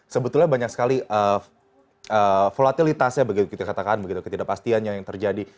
sebetulnya banyak sekali volatilitasnya begitu kita katakan begitu ketidakpastiannya yang terjadi